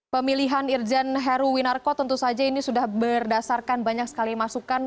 pemilihan irjen heruwinarko tentu saja ini sudah berdasarkan banyak sekali masukan